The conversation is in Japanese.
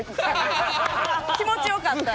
気持ちよかった。